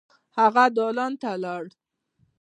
هغه دالان ته لاړ.